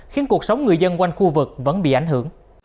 khiến cuộc sống người dân quanh khu vực vẫn bị ảnh hưởng